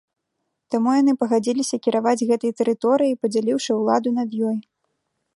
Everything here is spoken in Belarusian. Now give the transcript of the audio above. Таму яны пагадзіліся кіраваць гэтай тэрыторыяй, падзяліўшы ўладу над ёй.